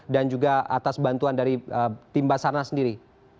dan juga atas bantuan dari tim basarna sendiri